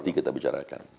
nanti kita bicarakan